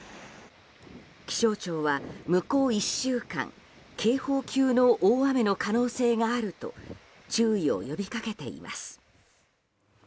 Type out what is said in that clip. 気象庁は向こう１週間警報級の大雨の可能性があると注意を呼びかけています。